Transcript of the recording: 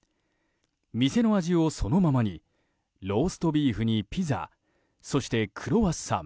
店の味をそのままにローストビーフにピザそしてクロワッサン